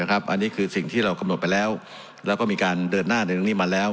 อันนี้คือสิ่งที่เรากำหนดไปแล้วแล้วก็มีการเดินหน้าในตรงนี้มาแล้ว